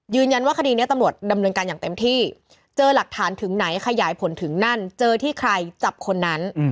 คดีนี้ตำรวจดำเนินการอย่างเต็มที่เจอหลักฐานถึงไหนขยายผลถึงนั่นเจอที่ใครจับคนนั้น